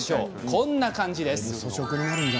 こんな感じです。